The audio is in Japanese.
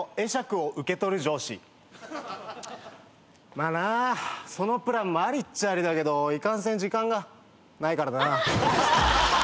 まあなそのプランもありっちゃありだけどいかんせん時間がないからな。